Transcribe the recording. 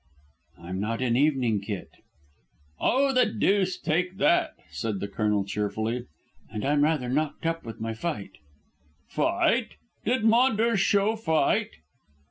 "I'm not in evening kit." "Oh, the deuce take that," said the Colonel cheerfully. "And I'm rather knocked up with my fight." "Fight? Did Maunders show fight?"